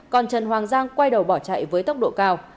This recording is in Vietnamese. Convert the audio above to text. còn trần hoàng giang quay đầu bỏ chạy với tốc độ cao